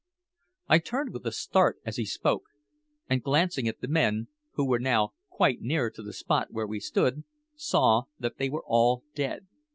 I turned with a start as he spoke, and glancing at the men, who were now quite near to the spot where we stood, saw that they were all dead.